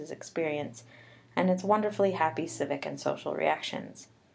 xx PREFACE Louis's experience, and its wonderfully happy civic and social reactions.